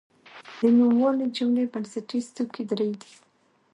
د نوموالي جملې بنسټیز توکي درې دي.